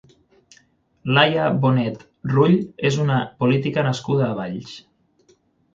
Laia Bonet Rull és una política nascuda a Valls.